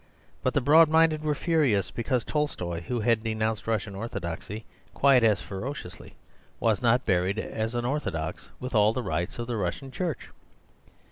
But the broad minded were furious because Tolstoi, who had denounced Russian orthodoxy quite as ferociously, was not buried as orthodox, with all the rites of the Russian Church.